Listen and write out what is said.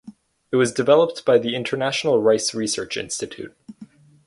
It was developed by the International Rice Research Institute.